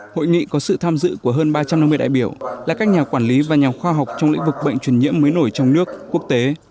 hội nghị có sự tham dự của hơn ba trăm năm mươi đại biểu là các nhà quản lý và nhà khoa học trong lĩnh vực bệnh truyền nhiễm mới nổi trong nước quốc tế